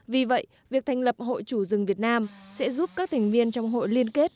vì vậy việc thành lập hội chủ rừng việt nam sẽ giúp các thành viên trong hội liên kết